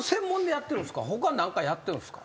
他何かやってるんですか？